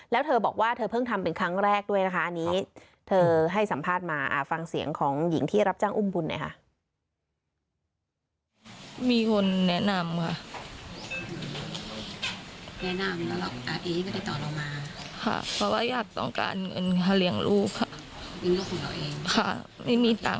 แล้วเธอบอกว่าเธอเพิ่งทำเป็นครั้งแรกด้วยนะคะอันนี้เธอให้สัมภาษณ์มาฟังเสียงของหญิงที่รับจ้างอุ้มบุญหน่อยค่ะ